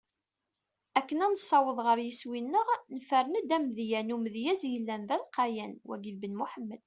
Akken ad nessaweḍ ɣer yiswi-neɣ, nefren-d amedya n umedyaz yellan d alqayan: Wagi d Ben Muḥemmed.